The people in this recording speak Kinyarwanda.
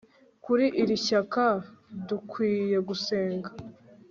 kuri iri shyaka dukwiye gusenga